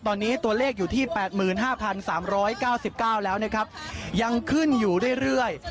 ตอนนี้ตัวเลขอยู่ที่แปดหมื่นห้าพันสามร้อยเก้าสิบเก้าแล้วนะครับยังขึ้นอยู่เรื่อยเรื่อย